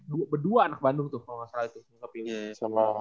dua dua anak bandung tuh kalau gak salah